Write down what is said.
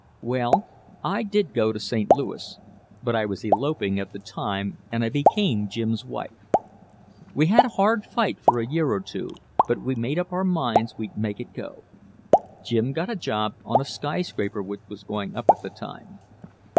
"Well, I did go to St. Louis, but I was eloping at the time and I became Jim's wife. We had a hard fight for a year or two, but we made up our minds we'd make it go. Jim got a job on a skyscraper which was going up at that time.